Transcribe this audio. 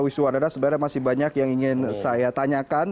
wiswa anda sebenarnya masih banyak yang ingin saya tanyakan